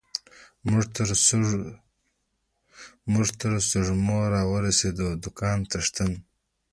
مې تر سږمو را ورسېد، د دوکان څښتن.